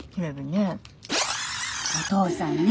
お父さんね